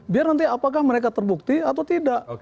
biar nanti apakah mereka terbukti atau tidak